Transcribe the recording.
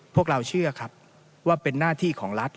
พวกเราเชื่อครับว่าเป็นหน้าที่ของรัฐ